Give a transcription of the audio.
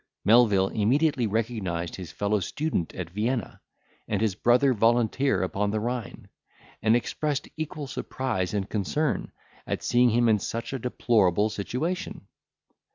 Melvil immediately recognised his fellow student at Vienna, and his brother volunteer upon the Rhine, and expressed equal surprise and concern at seeing him in such a deplorable situation.